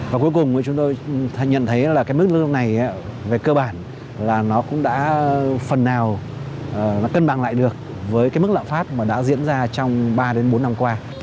và cuối cùng chúng tôi nhận thấy là cái mức lương này về cơ bản là nó cũng đã phần nào cân bằng lại được với cái mức lạm phát mà đã diễn ra trong ba đến bốn năm qua